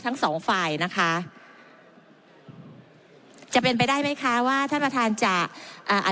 ทั้งสองฝ่ายนะคะจะเป็นไปได้ไหมคะว่าท่านประธานจะอ่า